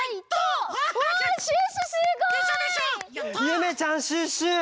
ゆめちゃんシュッシュ！